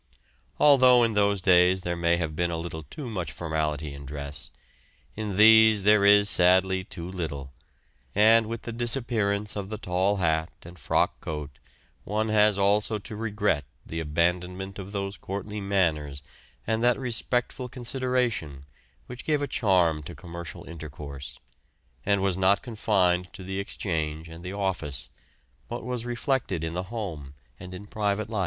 Although in those days there may have been a little too much formality in dress, in these there is sadly too little, and with the disappearance of the tall hat and frock coat one has also to regret the abandonment of those courtly manners and that respectful consideration which gave a charm to commercial intercourse, and was not confined to the Exchange and the office, but was reflected in the home and in private life.